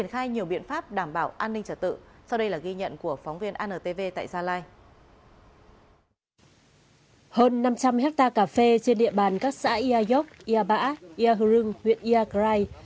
hơn năm trăm linh hectare cà phê trên địa bàn các xã iayoc iabã iahurung huyện yagrai